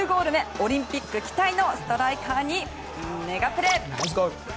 オリンピック期待のストライカーにメガプレ！